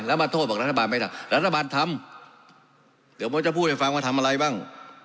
แล้วมาโทษบอกรัฐบาลไม่ทำรัฐบาลทำเดี๋ยวผมจะพูดให้ฟังว่าทำอะไรบ้าง